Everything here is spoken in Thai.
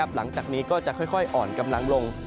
หลังจากนี้ก็จะค่อยอ่อนกำลังลง